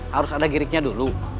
harus ada giriknya dulu